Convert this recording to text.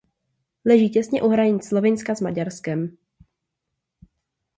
Leží těsně u hranic Slovinska s Maďarskem.